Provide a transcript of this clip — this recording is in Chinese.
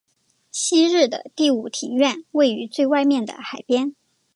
昔日的第五庭院位于最外面的海边。